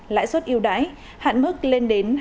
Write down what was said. lãi suất yêu đái hạn mức lên đến